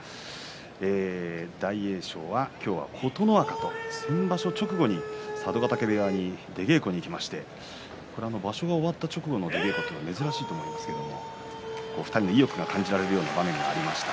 大栄翔は今日は琴ノ若と先場所直後に佐渡ヶ嶽部屋に出稽古に行きまして場所が終わった直後の出稽古は珍しいと思うんですけれど２人の意欲が感じられるような場面がありました。